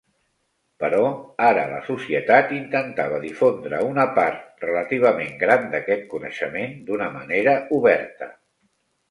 Però ara la Societat intentava difondre una part relativament gran d'aquest coneixement d'una manera oberta.